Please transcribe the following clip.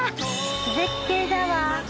絶景だわ。